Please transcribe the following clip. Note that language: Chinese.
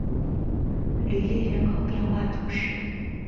吕利人口变化图示